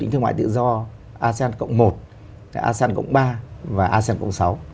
thương mại tự do asean cộng một asean cộng ba và asean cộng sáu